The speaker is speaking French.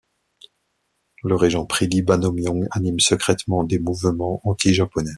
Le régent Pridi Banomyong anime secrètement des mouvements anti-japonais.